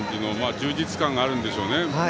充実感があるんでしょうね。